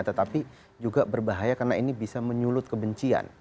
tetapi juga berbahaya karena ini bisa menyulut kebencian